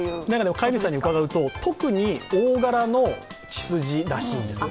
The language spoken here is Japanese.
飼い主さんに伺うと、特に大柄の血筋らしいんです。